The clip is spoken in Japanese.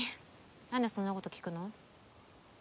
何でそんなこと聞くの？